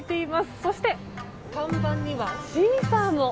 そして、看板にはシーサーも。